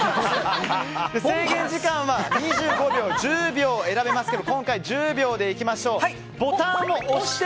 制限時間は２５秒、１０秒選べますけど今回１０秒でいきましょう。